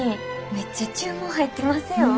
めっちゃ注文入ってますよ。